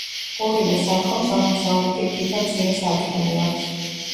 ორივე სადგომს აღმოსავლეთით თითო მცირე სარკმელი აქვს.